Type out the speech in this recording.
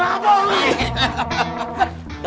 jangan lukue bau lu bau